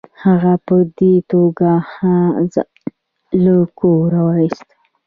هغه په دې توګه ځان له کوره وایست.